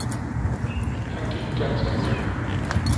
Han gik ganske vild.